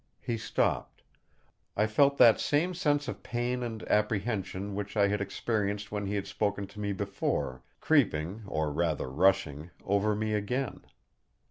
He stopped. I felt that same sense of pain and apprehension, which I had experienced when he had spoken to me before, creeping, or rather rushing, over me again.